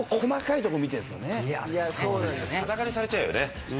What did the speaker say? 裸にされちゃうよね。